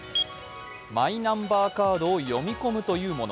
マイナンバーカードを読み込むというもの。